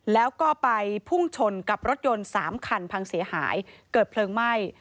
แล้วก็ไปพุ่งชนกับรถยนต์๓คันพังเสียหายเกิดเพลิงไหม้